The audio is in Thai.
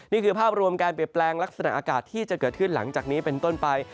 นี่คือภาพรวมการเปลี่ยนแปลงลักษณะอากาศที่จะเกิดขึ้นหลังจากนี้เป็นต้นไป